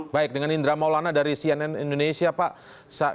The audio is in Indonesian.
baik dengan indra maulana dari cnn indonesia pak